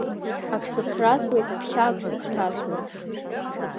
Ак сыцрасуеит, ԥхьа ак сыгәҭасуеит.